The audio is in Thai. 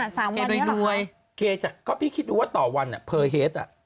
สามวันนี้หรอครับเกย์โดยรวยเกย์จากก็พี่คิดดูว่าต่อวันเพอเฮฟต์อ่ะ